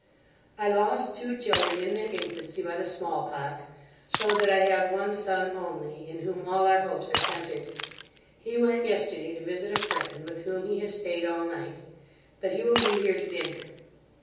I lost two children in their infancy, by the small pox, so that I have one son only, in whom all our hopes are centered. He went yesterday to visit a friend, with whom he has stayed all night, but he will be here to dinner.